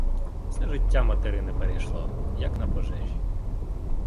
Все життя материне перейшло, як на пожежі.